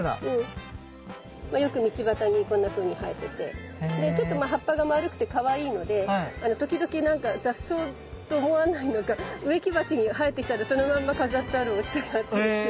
よく道端にこんなふうに生えててちょっと葉っぱが丸くてかわいいので時々雑草と思わないのか植木鉢に生えてきたらそのまんま飾ってあるおうちとかあったりして。